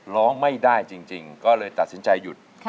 ร้องไม่ได้จริงก็เลยตัดสินใจหยุด